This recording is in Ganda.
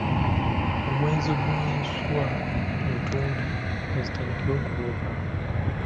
Omwezi ogwo enswa entunda mwe zitandikira okubuuka